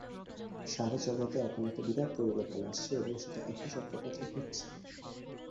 সারা জগতে এখন একটা বিরাট পরিবর্তন আসছে এবং সেটি একই চক্রপথে ঘটছে।